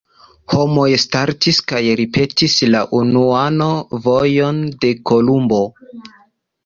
Homoj startis kaj ripetis la unuan vojon de Kolumbo.